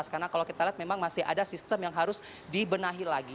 karena kalau kita lihat memang masih ada sistem yang harus dibenahi lagi